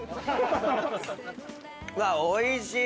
うわっおいしい！